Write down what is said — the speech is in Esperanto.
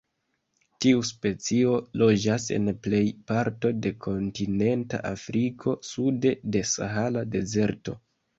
Tiu specio loĝas en plej parto de kontinenta Afriko sude de Sahara Dezerto.